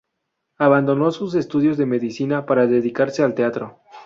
Abandonó sus estudios de Medicina para dedicarse al teatro.